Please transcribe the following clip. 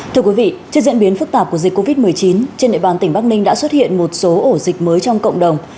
thưa quý vị trước diễn biến phức tạp của dịch covid một mươi chín trên địa bàn tỉnh bắc ninh đã xuất hiện một số ổ dịch mới trong cộng đồng